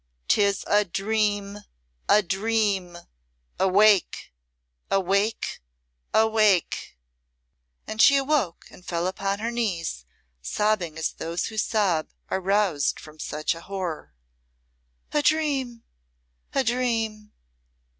"'Tis a dream a dream! Awake! Awake! Awake!" And she awoke and fell upon her knees, sobbing as those sob who are roused from such a horror. "A dream! a dream!